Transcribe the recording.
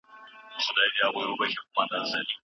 ايا ازاد انسان خرڅول ستر جرم دی؟